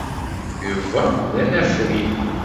Yuba d anafri.